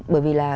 bởi vì là